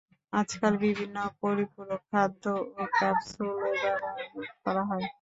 আজকাল বিভিন্ন পরিপূরক খাদ্য ও ক্যাপসুলও ব্যবহার করা হয়।